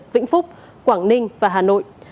vĩnh phúc quảng ninh và hà nội